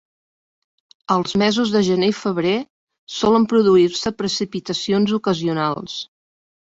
Als mesos de gener i febrer, solen produir-se precipitacions ocasionals.